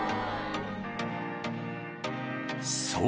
［そう。